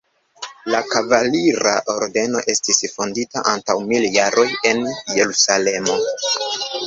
La kavalira ordeno estis fondita antaŭ mil jaroj en Jerusalemo.